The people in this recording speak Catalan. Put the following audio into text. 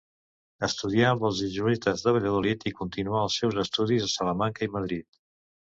Estudià amb els jesuïtes de Valladolid i continuà els seus estudis a Salamanca i Madrid.